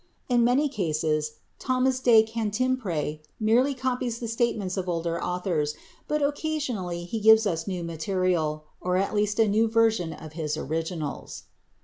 In many cases Thomas de Cantimpré merely copies the statements of older authors, but occasionally he gives us new material, or at least a new version of his originals.